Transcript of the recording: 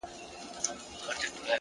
صبر د اوږدو موخو تر ټولو قوي ملګری دی!.